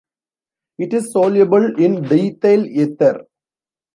It is soluble in diethyl ether.